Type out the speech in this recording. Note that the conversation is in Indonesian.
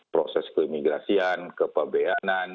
proses keimigrasian kepebayanan